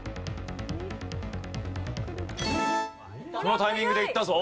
このタイミングでいったぞ。